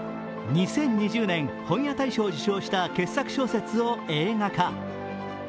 ２０２０年本屋大賞を受賞した傑作小説を映画化。